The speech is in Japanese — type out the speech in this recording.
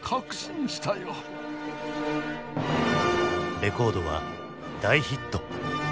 レコードは大ヒット。